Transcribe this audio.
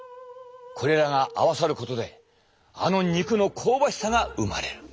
これらが合わさることであの肉の香ばしさが生まれる。